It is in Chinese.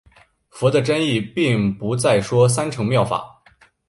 佛的真意并不再说三乘妙法。